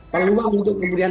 peluang untuk kemudian